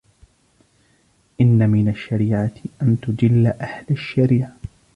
إنَّ مِنْ الشَّرِيعَةِ أَنْ تُجِلَّ أَهْلَ الشَّرِيعَةِ